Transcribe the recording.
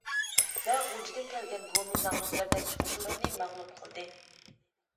ۋە غۇلجىدىن كەلگەن گومىنداڭنىڭ ياردەمچى قوشۇنلىرىنى مەغلۇپ قىلدى.